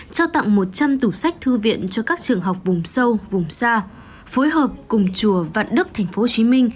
cho tặng một trăm linh tủ sách thư viện cho các trường học vùng sâu vùng xa phối hợp cùng chùa vạn đức tp hcm